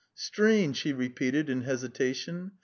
"Strange," he repeated in hesitation.